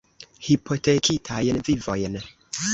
Hipotekitajn vivojn.